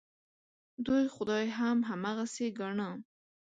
دوی خدای هم هماغسې ګاڼه.